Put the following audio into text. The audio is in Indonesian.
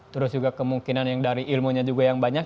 terus juga kemungkinan yang dari ilmunya juga yang banyak